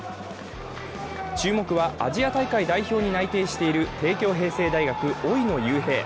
注目は、アジア大会代表に内定している帝京平成大学、老野祐平。